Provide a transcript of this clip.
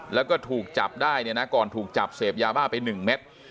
แล้วก็ถูกจับได้เนี่ยนะก่อนถูกจับเสพยาบ้าไป๑เม็ด